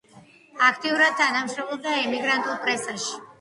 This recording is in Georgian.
აქტიურად თანამშრომლობდა ემიგრანტულ პრესაში.